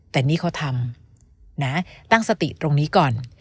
แต่นี่เขาทำนะตั้งสติตรงนี้ก่อน